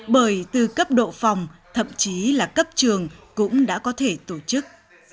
bởi từ cấp độ phòng thậm chí là cấp trường cũng đã có thể tổ chức